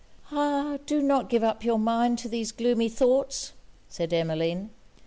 'Ah! give not up your mind to these gloomy thoughts,' said Emmeline.